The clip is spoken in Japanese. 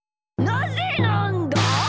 なぜなんだ！？